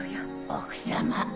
奥様。